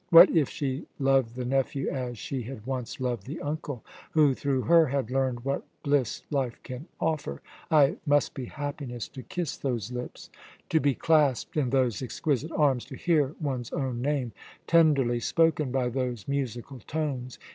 What if she loved the nephew as she had once loved the uncle who, through her, had learned what bliss life can offer? Ay, it must be happiness to kiss those lips, to be clasped in those exquisite arms, to hear one's own name tenderly spoken by those musical tones.